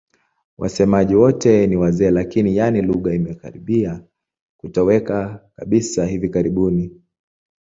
Wasemaji wote ni wazee lakini, yaani lugha imekaribia kutoweka kabisa hivi karibuni.